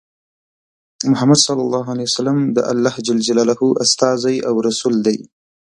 محمد ص د الله ج استازی او رسول دی.